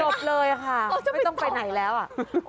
บเลยค่ะไม่ต้องไปไหนแล้วอ่ะ